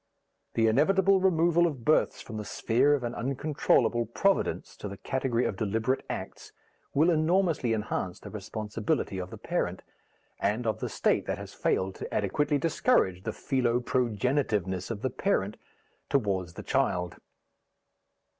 The inevitable removal of births from the sphere of an uncontrollable Providence to the category of deliberate acts, will enormously enhance the responsibility of the parent and of the State that has failed to adequately discourage the philoprogenitiveness of the parent towards the child.